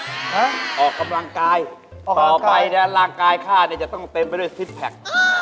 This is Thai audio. ฮะออกกำลังกายต่อไปนะร่างกายข้าเนี่ยจะต้องเต็มไปด้วยซิกแพค